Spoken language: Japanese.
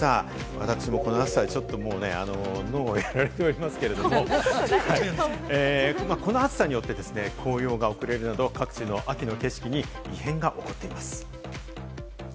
私もこの暑さでね、ちょっと脳がやられておりますけれども、この暑さによって紅葉が遅れるなど、各地の秋の景色に異変が起こっています。